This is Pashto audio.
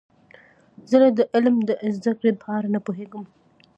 زه د علم د زده کړې په اړه نه پوهیږم.